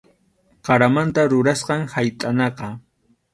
Qaramanta rurasqam haytʼanaqa.